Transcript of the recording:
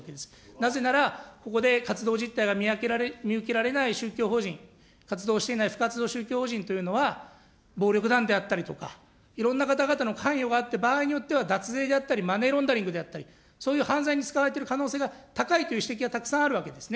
なぜなら、ここで活動実態が見受けられない宗教法人、活動していない、不活動宗教法人というのは、暴力団であったりとか、いろんな方々の関与があって、場合によっては、脱税であったり、マネーロンダリングであったり、そういう犯罪に使われている可能性が高いという指摘がたくさんあるわけですね。